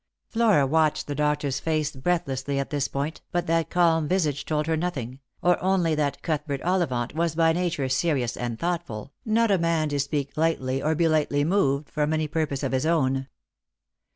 " Flora watched the doctor's face breathlessly at this point, but that calm visage told her nothing, or only that Outhbert Olli vant was by nature serious and thoughtful, not a man to speak lightly or be lightly moved from any purpose of his own.